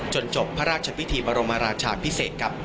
จนจบพระราชพิธีประโลมราชาพิเศษ